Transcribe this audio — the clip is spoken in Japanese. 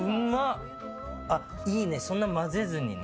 いいね、そんな混ぜずにね。